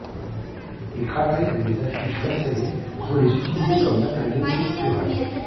Il travaille avec des affiches lacérées, pour les utiliser comme matériau pictural.